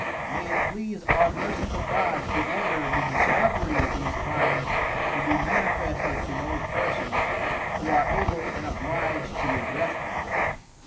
My it please our Merciful God to order the discovery of these Crimes to be manifested to those Persons, who are able and oblig'd to redress them.